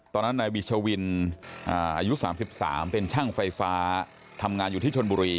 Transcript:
ตอนนั้นนายบิชวินอายุ๓๓เป็นช่างไฟฟ้าทำงานอยู่ที่ชนบุรี